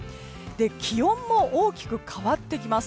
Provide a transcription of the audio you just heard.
気温も大きく変わってきます。